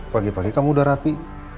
pagi pagi kamu udah rapi